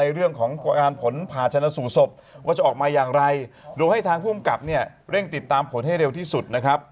เราโดยให้ทางภูมิกับเร่งติดตามผลให้เร็วที่สุด